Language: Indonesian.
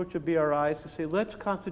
cara bri adalah untuk mengatakan